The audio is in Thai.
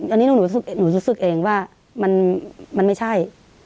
อันนี้หนูรู้สึกเองว่ามันไม่ใช่